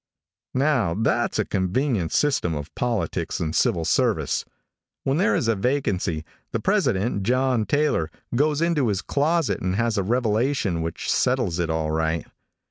Now, that's a convenient system of politics and civil service. When there is a vacancy, the president, John Taylor, goes into his closet and has a revelation which settles it all right.